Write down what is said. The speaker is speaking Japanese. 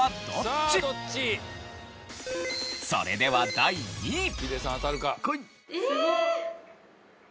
それでは第２位。